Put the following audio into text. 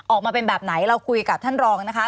ออกมาเป็นแบบไหนเราคุยกับท่านรองนะคะ